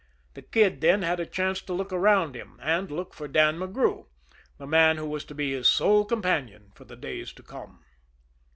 The Kid, then, had a chance to look around him and look for Dan McGrew, the man who was to be his sole companion for the days to come.